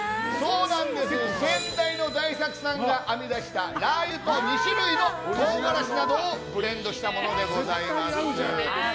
先代の大作さんが編み出したラー油と２種類の唐辛子などをブレンドしたものでございます。